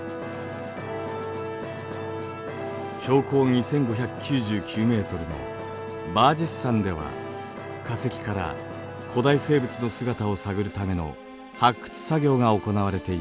標高２５９９ｍのバージェス山では化石から古代生物の姿を探るための発掘作業が行われています。